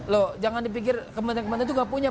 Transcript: loh jangan dipikir kementerian itu tidak punya